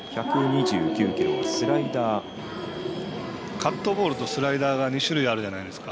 カットボールとスライダーが２種類、あるじゃないですか。